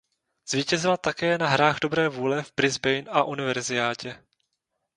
Zvítězila také na Hrách dobré vůle v Brisbane a Univerziádě.